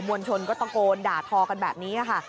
วลชนก็ตะโกนด่าทอกันแบบนี้ค่ะ